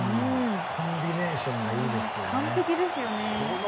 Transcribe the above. コンビネーションがいいんですよね。